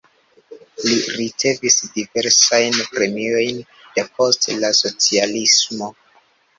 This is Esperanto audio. Li ricevis diversajn premiojn depost la socialismo.